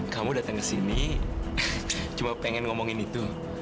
kamu datang ke sini cuma pengen ngomongin itu